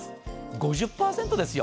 ５０％ですよ。